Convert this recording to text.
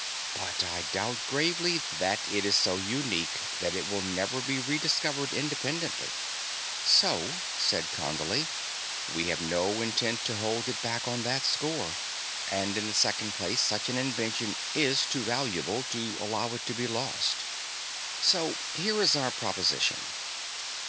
But I doubt gravely that it is so unique that it will never be rediscovered independently." "So," said Condley, "we have no intent to hold it back on that score. And, in the second place, such an invention is too valuable to allow it to be lost. "So here is our proposition.